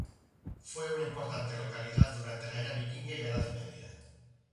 Fue una importante localidad durante la era vikinga y la Edad Media.